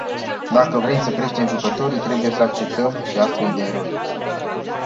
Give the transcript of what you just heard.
Dacă vrem să creștem jucători, trebuie să acceptăm și astfel de erori.